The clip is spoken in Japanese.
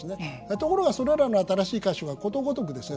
ところがそれらの新しい箇所がことごとくですね